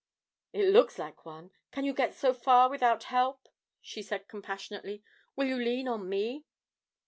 'It looks like one. Can you get so far without help?' she said compassionately. 'Will you lean on me?'